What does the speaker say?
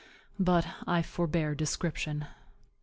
But I forbear description.